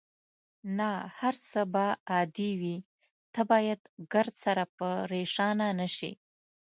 نه، هر څه به عادي وي، ته باید ګردسره پرېشانه نه شې.